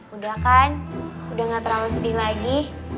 udah kan udah gak terlalu sedih lagi